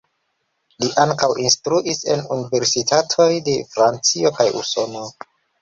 Li ankaŭ instruis en universitatoj de Francio kaj Usono.